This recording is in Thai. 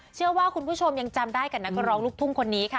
เชื่อว่าคุณผู้ชมยังจำได้กับนักร้องลูกทุ่งคนนี้ค่ะ